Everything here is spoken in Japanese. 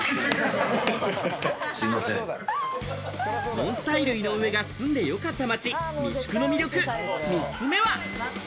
ＮＯＮＳＴＹＬＥ・井上が住んでよかった街、三宿の魅力、３つ目は。